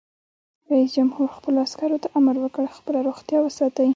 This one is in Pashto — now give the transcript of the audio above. رئیس جمهور خپلو عسکرو ته امر وکړ؛ خپله روغتیا وساتئ!